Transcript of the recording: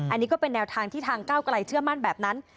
อันนี้ก็เป็นแนวทางที่ทางก้าวไกลเชื่อมั่นแบบนั้น